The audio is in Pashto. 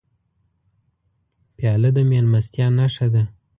پیاله د میلمستیا نښه ده.